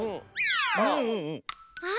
あっ。